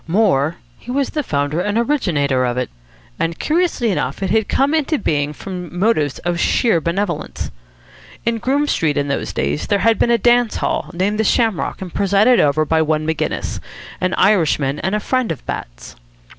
More, he was the founder and originator of it. And, curiously enough, it had come into being from motives of sheer benevolence. In Groome Street in those days there had been a dance hall, named the Shamrock and presided over by one Maginnis, an Irishman and a friend of Bat's.